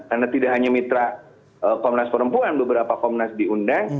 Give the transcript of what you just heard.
karena tidak hanya mitra komnas perempuan beberapa komnas diundang